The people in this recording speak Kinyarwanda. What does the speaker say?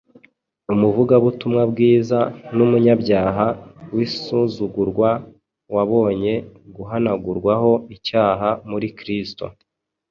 umuvugabutumwa bwiza n’umunyabyaha w’insuzugurwa wabonye guhanagurwaho icyaha muri Kristo.